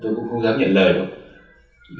tôi cũng không dám nhận lời đâu